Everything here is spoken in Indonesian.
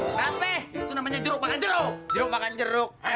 ada di motoran ada di motoran